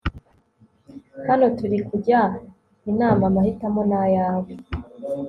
hano turi kujya inama amahitamo nayawe